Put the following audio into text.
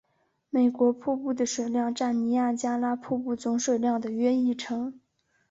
美国瀑布的水量占尼亚加拉瀑布总水量的约一成。